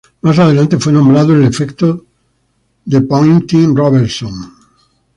Más adelante fue nombrado el efecto de Poynting-Robertson.